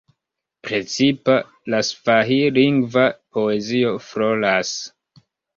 Precipa la svahil-lingva poezio floras.